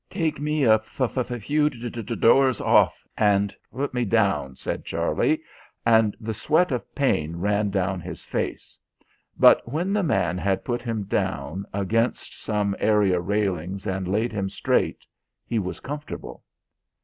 "Take me a f f few d d doors off, and put me down," said Charlie, and the sweat of pain ran down his face, but when the man had put him down against some area railings, and laid him straight, he was comfortable.